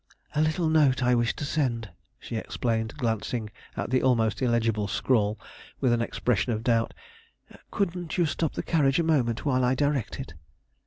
"A little note I wish to send," she explained, glancing at the almost illegible scrawl with an expression of doubt. "Couldn't you stop the carriage a moment while I direct it?"